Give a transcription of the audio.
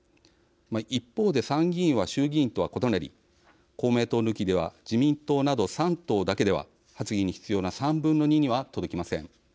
一方で参議院は衆議院とは異なり公明党抜きでは自民党など３党だけでは発議に必要な３分の２には届きません。